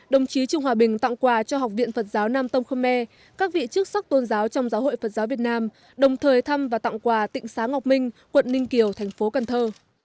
đồng chí trương hòa bình tặng quà cho học viện phật giáo nam tông khơ me các vị chức sắc tôn giáo trong giáo hội phật giáo việt nam đồng thời thăm và tặng quà tịnh xá ngọc minh quận ninh kiều thành phố cần thơ